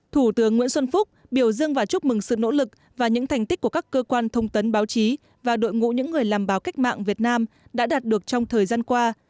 thủ tướng nguyễn xuân phúc biểu dương và chúc mừng sự nỗ lực và những thành tích của các cơ quan thông tấn báo chí và đội ngũ những người làm báo cách mạng việt nam đã đạt được trong thời gian qua